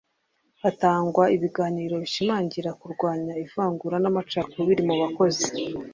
hatangwa ibiganiro bishimangira kurwanya ivangura n amacakubiri mu bakozi